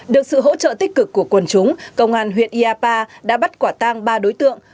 được sự hỗ trợ tích cực của quần chúng công an huyện iapa đã bắt quả tang ba đối tượng